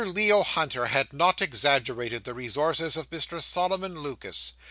Leo Hunter had not exaggerated the resources of Mr. Solomon Lucas.